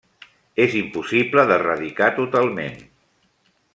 És impossible d'erradicar totalment.